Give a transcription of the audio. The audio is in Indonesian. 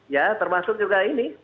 ya termasuk juga ini